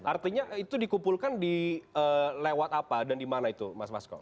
artinya itu dikumpulkan di lewat apa dan di mana itu mas masko